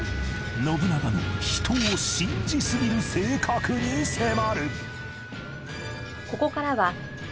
信長の人を信じすぎる性格に迫る！